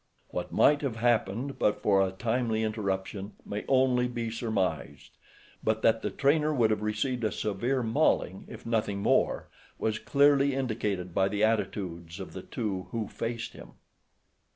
What might have happened, but for a timely interruption, may only be surmised; but that the trainer would have received a severe mauling, if nothing more, was clearly indicated by the attitudes of the two who faced him.